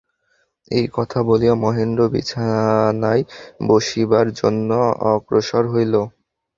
এই কথা বলিয়া মহেন্দ্র বিছানায় বসিবার জন্য অগ্রসর হইল।